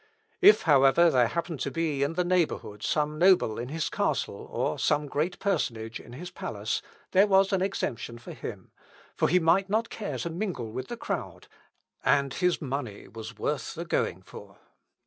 If, however, there happened to be in the neighbourhood some noble in his castle, or some great personage in his palace, there was an exemption for him; for he might not care to mingle with the crowd, and his money was worth the going for. Instr.